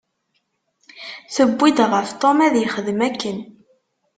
Tewwi-d ɣef Tom ad yexdem akken?